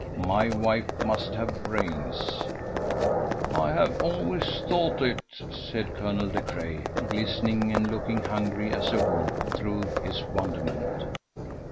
My wife must have brains." "I have always thought it," said Colonel De Craye, glistening, and looking hungry as a wolf through his wonderment.